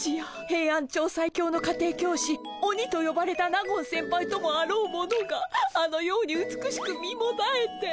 ヘイアンチョウ最強の家庭教師オニとよばれた納言先輩ともあろうものがあのように美しく身もだえて。